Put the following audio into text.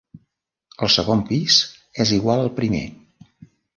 El segon pis és igual al primer.